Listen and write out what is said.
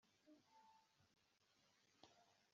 Icyiciro cya mbere Inyito